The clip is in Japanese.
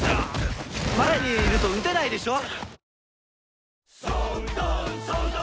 前にいると撃てないでしょ！